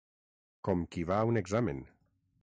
Com qui va a un examen.